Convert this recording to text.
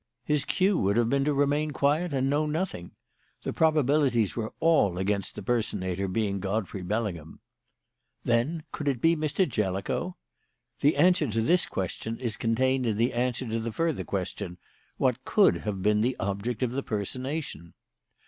His cue would have been to remain quiet and know nothing. The probabilities were all against the personator being Godfrey Bellingham. "Then could it be Mr. Jellicoe? The answer to this question is contained in the answer to the further question: What could have been the object of the personation?